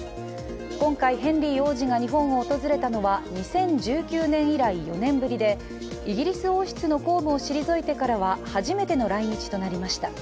今回、ヘンリー王子が日本を訪れたのは２０１９年以来４年ぶりで、イギリス王室の公務を退いてからは初めての来日となりました。